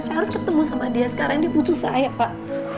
saya harus ketemu sama dia sekarang ini putus saya pak